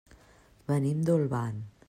Venim d'Olvan.